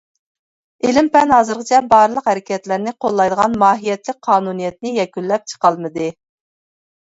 ئىلىم-پەن ھازىرغىچە بارلىق ھەرىكەتلەرنى قوللايدىغان ماھىيەتلىك قانۇنىيەتنى يەكۈنلەپ چىقالمىدى.